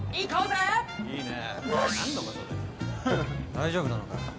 大丈夫なのかよ。